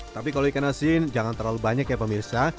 tapi kalau ikan asin jangan terlalu banyak ya pemirsa